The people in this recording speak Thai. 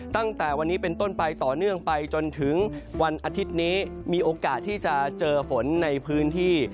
ตั้งแต่วันนี้เป็นต้นไปต่อเนื่องไปจนถึงวันอาทิตย์นี้มีโอกาสที่จะเจอฝนในพื้นที่